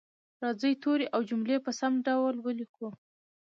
راځئ توري او جملې په سم ډول ولیکو